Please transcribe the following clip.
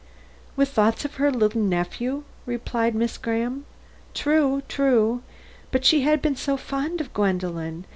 "With thoughts of her little nephew?" replied Miss Graham. "True, true; but she had been so fond of Gwendolen!